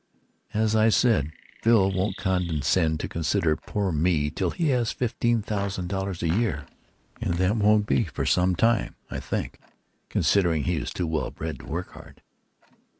"As I said, Phil won't condescend to consider poor me till he has his fifteen thousand dollars a year, and that won't be for some time, I think, considering he is too well bred to work hard."